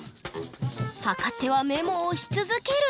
測ってはメモをし続ける！